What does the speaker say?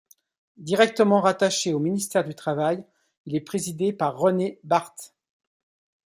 Directement rattaché au ministère du travail, il est présidé par René Barthe.